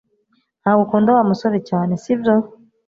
Ntabwo ukunda Wa musore cyane, sibyo?